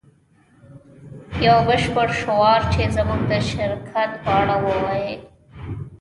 یو بشپړ شعار چې زموږ د شرکت په اړه ووایی